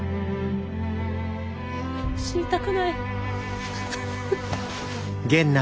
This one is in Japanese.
死にたくない。